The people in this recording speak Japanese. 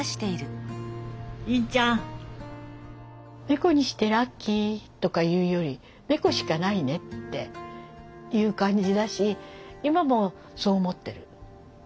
猫にしてラッキーとかいうより猫しかないねっていう感じだし今もそう思ってる。